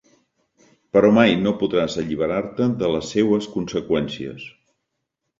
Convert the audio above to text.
Però mai no podràs alliberar-te de les seues conseqüències.